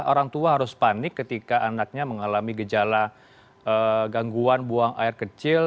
orang tua harus panik ketika anaknya mengalami gejala gangguan buang air kecil